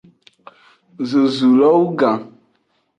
Zozulo wu gan.